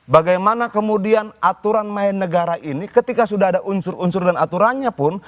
bagaimana kemudian aturan main negara ini ketika sudah ada unsur unsur dan aturannya pun